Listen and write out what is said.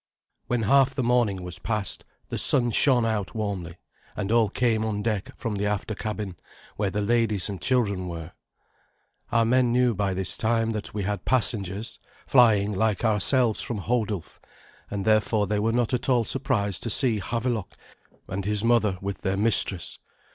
When half the morning was past, the sun shone out warmly, and all came on deck from the after cabin, where the ladies and children were. Our men knew by this time that we had passengers, flying like ourselves from Hodulf, and therefore they were not at all surprised to see Havelok and his mother with their mistress.